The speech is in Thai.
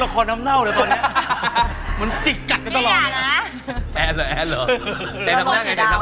เพราะดูสัตว์แทนแอนสกรอบไว้แล้ว